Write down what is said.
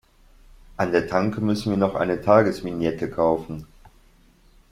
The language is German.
An der Tanke müssen wir noch eine Tagesvignette kaufen.